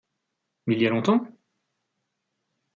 Il y a longtemps ?